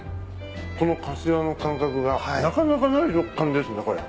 このかしわの感覚がなかなかない食感ですねこれ。